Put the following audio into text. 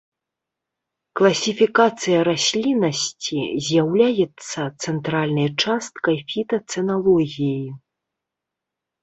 Класіфікацыя расліннасці з'яўляецца цэнтральнай часткай фітацэналогіі.